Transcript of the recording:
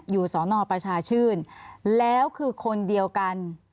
สอนอประชาชื่นแล้วคือคนเดียวกัน